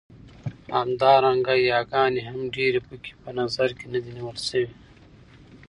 همدارنګه ياګانې هم ډېرې پکې په نظر کې نه دي نيول شوې.